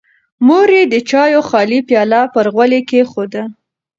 مور یې د چایو خالي پیاله پر غولي کېښوده.